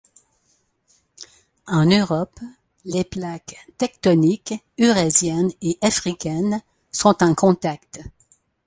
En Europe, les plaques tectoniques eurasienne et africaine sont en contact.